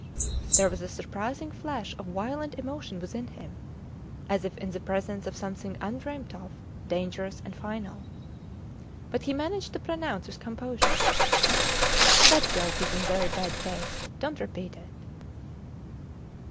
There was a surprising flash of violent emotion within him, as if in the presence of something undreamt of, dangerous, and final. But he managed to pronounce with composure That joke is in very bad taste. Dont repeat it.